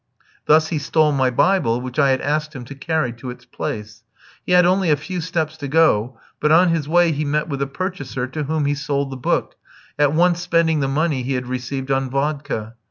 Thus he stole my Bible, which I had asked him to carry to its place. He had only a few steps to go; but on his way he met with a purchaser, to whom he sold the book, at once spending the money he had received on vodka.